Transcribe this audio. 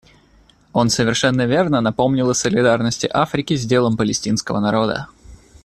Он совершенно верно напомнил о солидарности Африки с делом палестинского народа.